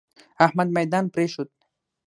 احمد ميدان پرېښود.